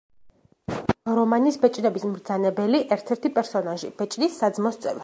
რომანის „ბეჭდების მბრძანებელი“ ერთ-ერთი პერსონაჟი, ბეჭდის საძმოს წევრი.